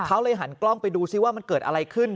เขาเลยหันกล้องไปดูซิว่ามันเกิดอะไรขึ้น